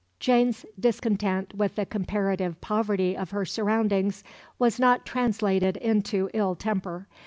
Jane's discontent with the comparative poverty of her surroundings was not translated into ill temper.